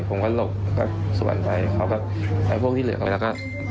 ผมก็หลบแล้วก็สวรรค์ไปเขาก็เอาพวกที่เหลือกลับไปแล้วก็